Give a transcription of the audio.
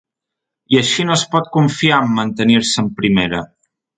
I així no es pot confiar en mantenir-se en Primera.